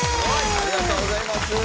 ありがとうございます。